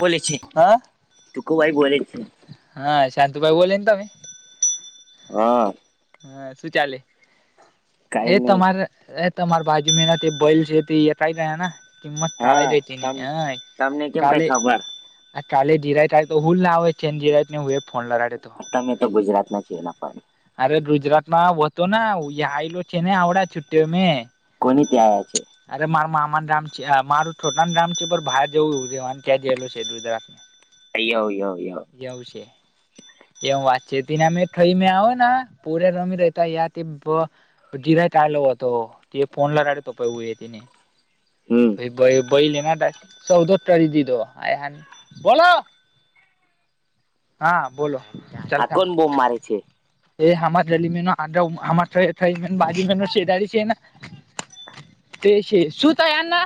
બોલે છે હા ટુકુભાઈ બોલે હા શાંતુભાઈ બોલે ને તમે હા. હા શું ચાલે કઈ હે નહી તમારે એ તમાર બાજુ મેના તે [unintelligible] કિંમત કાળ હા દેતીને તમ હા તમને કેમ કઈ કાલે ખબર કાલે જિરાઈટ તો હુંલ ના આવે છે ને જિરાઈ ને હું એ ફોન લગાડે તો તમે તો ગુજરાત ના છો ને પાછા અરે ગુજરાતમાં હતો યલો છે ને આવડા છુટ્ટીઓ મેં કોની ત્યા આયા છે? અરે માર મામા રામ છે મારું છોટરા ના રામ છે પર બહાર જવું છે યો યો યો એવા [unintelligible] [unintelligible] ચિરાગ આયો તો તે ફોન લગાડે [unintelligible] હમ્મ. [unintelligible] હા બોલો આ ચાલતા કોણ બોમ્બ મારે છે? [unintelligible] તે છે શું થયારના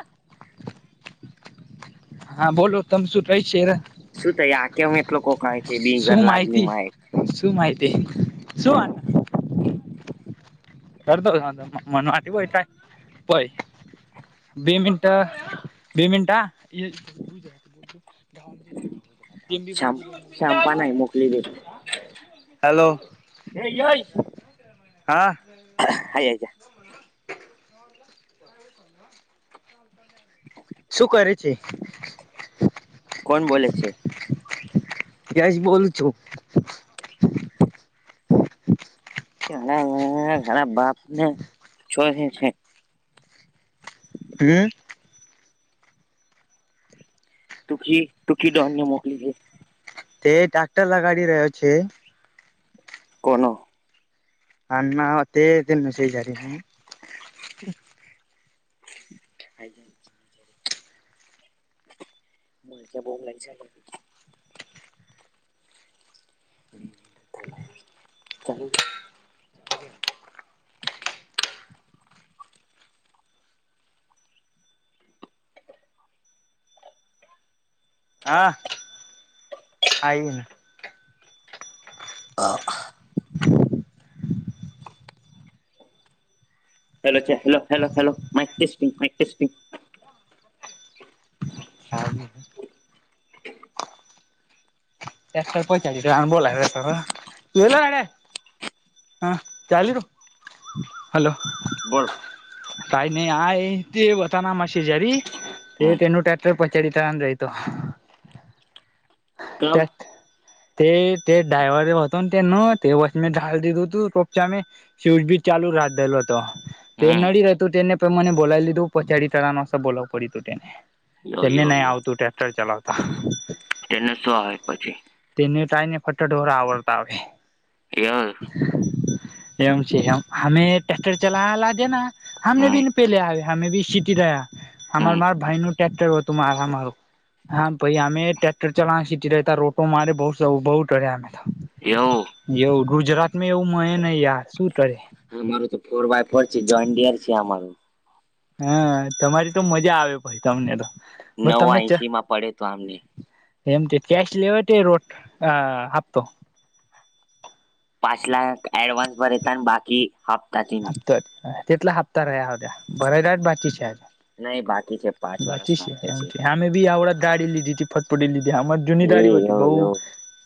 હા બોલો તમે શું કઈ છે એ? શું થાય આ શું માહિતી [unintelligible] શું માહિતી શું વાન કરતો મન માટી [unintelligible] બે મિનટ બે મિનટ શામ શામપા ના મોકલી [inaudible] હેલો હ ય છે હા આ છે શું કરે છે કોણ બોલે છે જશ બોલ છો ઘણા ઘણા ઘણા બાપ ને છોધે છે હમ ટકીી ટકીી ડોહનને મોકલીજે તે ટાક્ટર લગાડી રહ્યો છે કોણ ના ના તે તનું છેઈ જારી ન હ મરજ બહુ લઈ કરી ચ ચ હા આઈને હા હલોલોલોલોટે હાબી હ એસ પૈચલી બોલા તો એલોડે હા ચાલ છું હલોો બોરફ તઈ નહી આ તે બતા ના મા શ જારી તે હમ તેનું પછચડીીતાાર અંદ્ર આતો કામ તત તે ડ્રાઈવર હો હતોને ન તે વ ઢાાલ દીધું હતું રપચ મે શુઝ બી ચાલુ રાખ દેલો હતો તે હમ નડી રહેતું તેને પણ મને બોલાવી લીધું પડીી તળ ન બોલવું પડ્યું હતું તેને યો તેને યો નહી યો આવતું ટ્રેક્ટર ચલાવતા તેને શું આવે પછી તેને ટાઈ ને ફટટોરા આવડતા આવે ં એવમ છે એમ હમે ટક્ટર ચલા લ દેના હમ હમનેી પે લ આ હમે ભી સીટી રહયા હમાર હમ માર ભાઈનો ટક્ટર હતું આરામું હા ભાઈ અમેક ચલા સીટીતા રોટો મારે બુુ ટઢ્યાંા એવ એવું ગુજરાત માં એવું મળયે નહ યાર શું કરે હ માર તો ફોર બાય ફોર છે જોઈન્ટિયર છે અમારું હા તમારી તો મજા આવે ભાઈ તમને તો તમને નવા એસી માં પડે તો આમને એમ કેશ લેવા તે રોટ આપતો પાંચ લખ એડવાન્સ ભતા અને બાકી હપ્તાથી તો તેટલા હપ્તા રહ્યા હવે ભરા જાહ ગ બાકી છે હજુ? નહીં બાકી છે પ બાકી સે એમ કે અમે બી અવળ જ ગાડી લીધી છ ફટફડી લીધી અમા જૂની એ ગાડી હતી યો બઉ. યો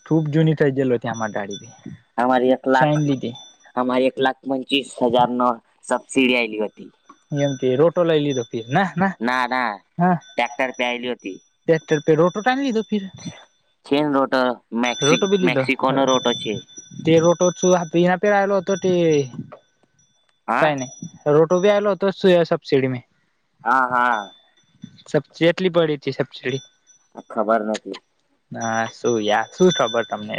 ખૂબ જૂની થઈ જયેલો ત્યાં મા ગાડી. અમાર એક લાખ શાઇન લીધી હમાર એક લાખ પંચીસ હજાર નો સબસિળી આયલી હતી. એમકે રોટો લઈ લીધો પી ના ના ના હા ટેક્ટર પેયલ્યોતી. ટ્રેક્ટર પે રોટોટાન લીધુ. ઈ છે ને રોટો જ રોટો મેક્સી બી લીદો હ મેક્સિકોનો રોટો છે. જે રોટો તું આપી આપેલાલો તો તી કાઈ હા. નઈ. રોટો બી આયલો તો સે સબસિડી મે? હા સબ ચેટલી પળી તી સબસિળી? આ ખબર નથી. હા શું યા શું ખબર તમને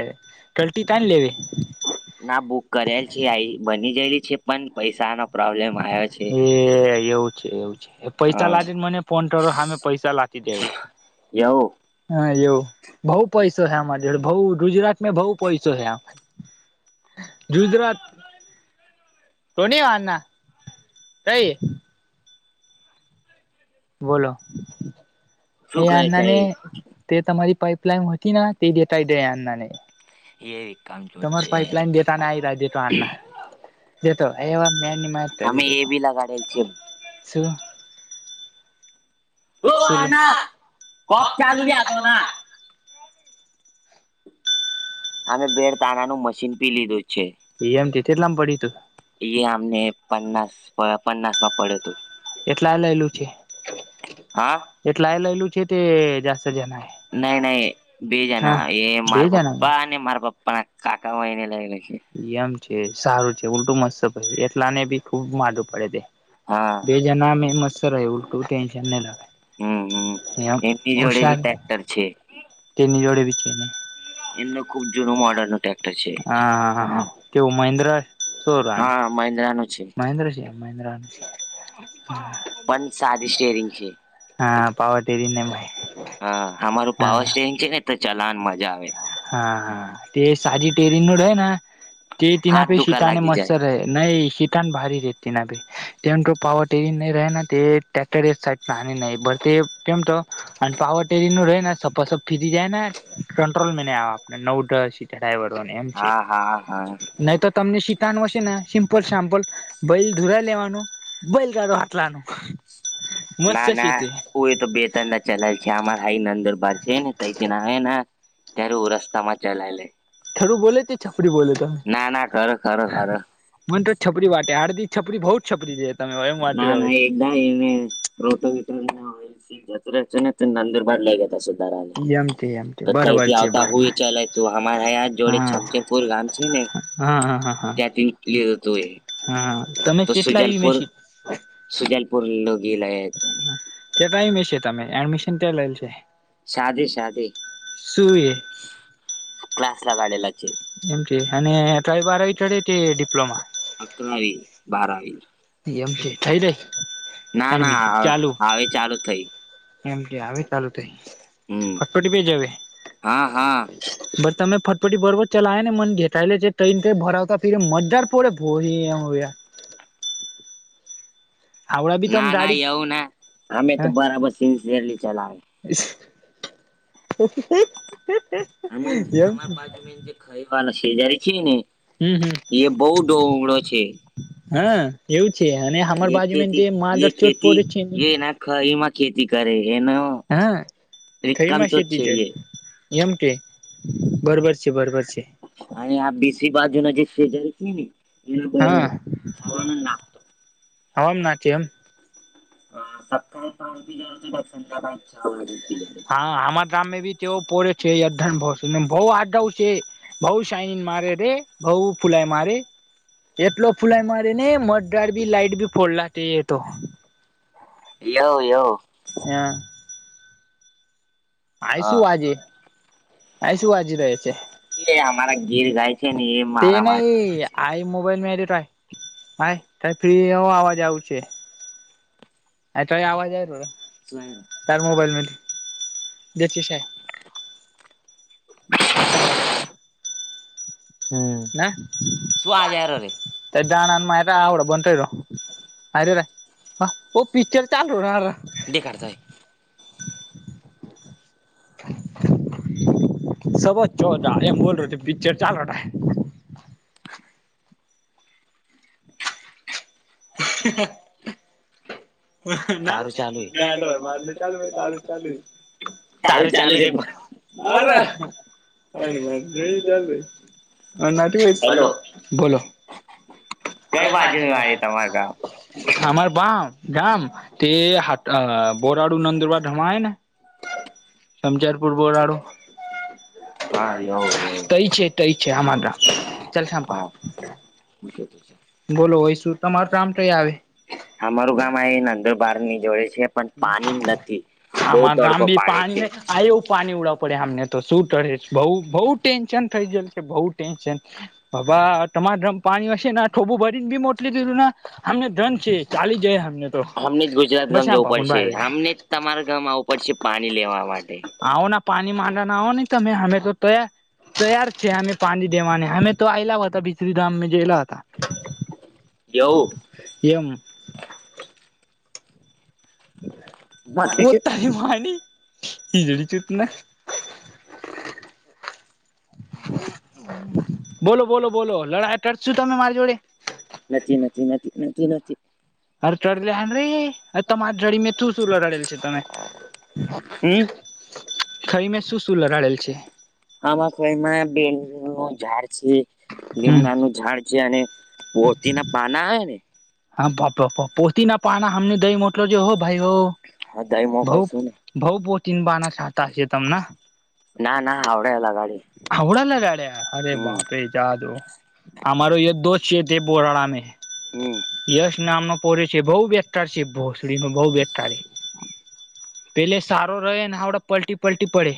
ગલ્ટી તાઈન લેવી?,, ના બુક કરેલ છે આઈ બની ગયેલી છે પણ પૈસા નો પ્રોબ્લેમ આયો એ એવું છે એવું જ એ પૈસા હા લાદીન મને ફોન કરો હામે પૈસા લાખી દેવ. એવું હા એવું બઉ પૈસો હે અમાર જડે બઉ ગુજરાત મેં બઉુ પૈસો હે આ ગુજરાત તો ની વારના અઈ બોલો એ શું કહે છે આનાને તે તમારી પાઈપ લાઇન હતી ને તે દેતાાય દે અનાને. એ એ કામ જોત તમાર છે. પાઈપલાઈન દેતાને આઈ જાય દેતાને. એતો એવા મેનની માત અમે કરી એ દેતો, બી લગાડેલ છે. શું? ઓ શું અન્ના કોક ચાલયાખોના. [unintelligible] અમે બેળ તાણા નું મશીન પી લીધું છે. ઈ એમ કે તેટલામ પળ્યું તું? ઈ આમને પન્નાસ પ પન્નાસ માં પડ તુ. એટલા લઈલું છે? હા? એટલાય લઈલું છે તે જાસ્ત જનાય. નઈ નઈ બે જના એ બે માર પપ્પા જણા અને માર પપ્ પણ આ કાકાઓ ઈને લઈ લેશે. એમ છે સારું છે ઉલટું મસ્ત પૈ એટલા ને બી ખુબ માદું પળે તે. હા. બે જનામે મસ્ત રહે ઉલ્ટું ટેન્શન ન લવે. હં હં એમની જોળે બી ટેક્ટર છે. તેની જોળે બી છે ને. એમનો ખુબ જૂનો મોર્ડરનો ટેક્ટર છે. હા હા હા હા કેવું મહેન્દ્ર સોરન? હા મહિન્દ્રા નું છે મહેન્દ્ર છે. મહેન્દ્ર નું છે. પન સાદી સ્ટેરિંગ છે. હા પાવર ટેરીનેમાઈ હા હમારું પાવર સ્ટેરીંગ છે ને તો ચલાઆન મજા આવે. હા હા તે સાદી ટેરીન્ગ નુડ હોય ને. તી તીના હાથ પે દુખા સૂતાને લાગી જાય મસર એ નઈ શી કમ ભારી રેતી ના ગઈ તેમ તો પાવર ટેરી ને રેના ટેક્ટટર એક થાઈડ પાની ને બરતે કેમ તો, અન પાવર ટેરી નું રહે ને સપો સપ થીજી જાય ને. કંટ્રોલ મેં નઈ આવે આપને નવ દસ સીટ ડ્રાઈવરોને એમ છે, હા હા હા નઈ તો તમને શીતાનું હશે ને સિમ્પલ સામ્પલ ભલ ધુરા લેવાનું. બલકાો હાટલાનું. મસ્ત ના છે ના તે ઉ એ તો બેત ચલાલ છે અમાર હાઈ નંદુરબાર છે ને તથી એના. ત્યારે હ રસ્તા માં ચલાય લે. થરું બોલે છે છપરી બોલે તો. ના ના ખરો ખરો ખરો મને તો છપરી વાટેે હારધી છપરી બહુજ છપરી છે. તમે એમ ના વાતી ના એકદા એને રોટો વિીટલ જત છે ત અંદિર બા લાગ. એમ તે એમ તે ધાર બરોબર કઈથી છે આવતા બરોબર હોય ચાલ તું અમા જોડે હા હા છચ. બોલ ગામ છે ને હા હા હા ત્યાંથી ની ગેધ હતો એ. હા તમે કેટલા એવી મેશીન. સુજાલપુર લોગીલાતો. ત્યા ટાઈમે હશે તમે એડમિશન ત્યાં લેલ છે. સાાધે શાધે શું એ ક્લાસ લ કાઢેલા છે. એમ અને ત્ર બારડે તે ડિપ્લોમા. અકરાાવી બારાવી. એમ છે થઈ રઈ એ ના ના ચાલુ. હવે ચાલુ થઈ એમ કે આવે ચાલુ થાય હમ ફટફટી બે જ આવે. હા હા બટ તમે ફટપટી બરોબર ચલાય ને મને ઘેતા છે ટન ભરાવતા ફીરે મજદાર. પડે ભો હોયા. હાવડા બી તમ ના ના ગાડી એવું ના અમે તો હ બરાબર સિન્સિયરલી ચલાવે. [unintelligible] અમાર એમ અમાર બાજુમાં જે ખાઈ વાળ છે જયારે છે ને. હમ હમ એ બહુ ઢોગળો છે. હા એવું છે અને હર એ બાજુ મ દ ખેતી મા એ દર ચોટ ખેતી પડે છે. એ એના ખરીમાં ખેતી કરે એને. હા થઈમાં શેતી છે. એ એમ કે બરોબર છે બરોબર છે. અને આ બેશી પાજ જે જ એ હા ખવાના. હમ ના કેમ. હ સકાારે પાણીપી. હા આમા ગામે બી તેઓ પોડે છે અણ બહ આઉ છે. બઉુ શાનિન મારે રે ભઉ ફૂલા મારે. કેટલો ફુલાઈ મારી ને મી લાઈટ બી ફોડલા તો. યવ યવ. હંયા. વાએ શું હા વાજે વાએ શું વાજી રહે છે. એ અમારા ગીર ગાય છે ને એ મારા મારી. કરે છે આઈ મોબાઈલ મેટય હ ત ફ્રી અવાજ આવું છે. અ તો આવવાજ આવે રો. શાય. તારા મોબાઇલ માંથી [inaudible] સાભળ હમ ના. [inaudible] શું આજા રે તે ડણા મા આડ [unintelligible] બનય ર રે. પિક્ચર ચાલુ રા રા દેખાડ તાય સત ચો એમ [unintelligible] બોલ પિક્ચર ચાલ. હ. તારું સારું ચાલુ ચાલુા માર [inaudible] ચાલુ તારું ચાલુ. તારું ચાલેુ છે અરે ચ. હ નાટ હેલો [unintelligible] બોલો કઈ બાજુ વાજ આવે વાય તમારે ગામ મારા આર બામ જામ તે હાટ બરાડુ નંદ્રબાર ધમાાયને સમજારપુર બોરાડો હા કય છે તય છે આમા હાવ બોલો હોય શું તમારું કમ તોઈ આવે અમારું ગામ આ નંદડબાર ની જોડે છે પણ પાણી નથી બહુ આમાર રામ તડકો બી પાડે છે પાણી ન આ એવું પાણી ઉડાવ પડે આમને તો શું ટરે બ‌ઉ બ‌ઉ ટેન્શન થઈ જશે છે બઉ ટેન્શન બાબા તમારેમ પાણી હશે થોબું ભરીને બી મોટલી દીધું અમને ધન છે ચાલી જાય અમને તો અમને જ ગુજરાત બસ ગામ આમ જવું પાપુન પડશે ભાઈ આમને તમારા ગામ આવું પડશે પાણી લેવા માટે આવો ના પાણી માંડા ના આવો નહી તમે અમે તો તયાર તૈયાર છે હમે પાણી દેવાને હમે તો અલા હો હતા બિચ ધામમાં જેેલા હો હતા એવું એમ કો ત માણી હીજ ચતના [unintelligible] બોલો બોલો બોલો લડા ટટ છું તમે મારી જોડે નથી નથી નથી નથી નથી અરે ચડ લ રે તમારી જડી મે તું શું લડેલ છે તમે હમ ખાઈ મેં શું શું લડડેલ છે આમાંખો એમાં બેલ નું ઝાડ છે હમ લીમડા નું ઝાડ છે અને પોતી ના પાના આવે ને હા પાપપ પોતી ના પાના હમને દહી મોટલોજ હો ભાઈ હો હા દાઈ મોકલશો ને. બઉ બહુતીન બ ના છાતા છેે તમને [unintelligible] ના ના આવડે એલા ગાડી થડા ના રેડ્યા અરે બાપે જા દો હમારોો દો ચેત બોરાડા મે હમ યશ નામનો પોડ છે બહ બેસ્તાર છે ભોસડી ન બહ બેસ્થારે [inaudible] પેલે સારો રહે ને આવડા પલટી પલટી પડે